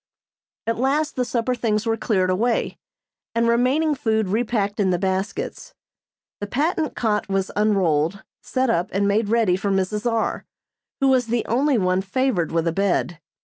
At last the supper things were cleared away, and remaining food repacked in the baskets. The patent cot was unrolled, set up and made ready for Mrs. R., who was the only one favored with a bed.